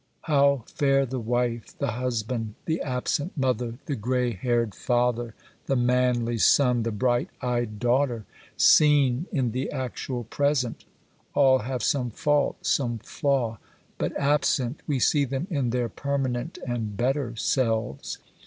How fair the wife, the husband, the absent mother, the gray haired father, the manly son, the bright eyed daughter! Seen in the actual present, all have some fault, some flaw; but absent, we see them in their permanent and better selves.